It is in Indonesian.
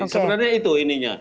sebenarnya itu ininya